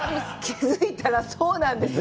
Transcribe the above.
気づいたらそうなんです。